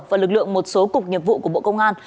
và lực lượng một số cục nghiệp vụ của bộ công an